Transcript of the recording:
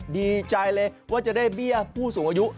ดีใจเลยว่าจะได้เบี้ยผู้สูงอายุ